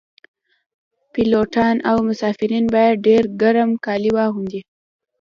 پیلوټان او مسافرین باید ډیر ګرم کالي واغوندي